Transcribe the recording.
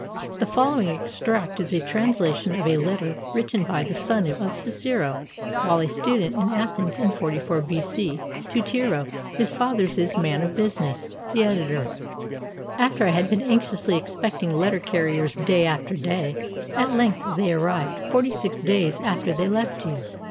The following extract is a translation of a letter written by the son of Cicero while a student in Athens in 44 B.C. to Tiro, his father's man of business. The Editor.] After I had been anxiously expecting letter carriers day after day, at length they arrived forty six days after they left you.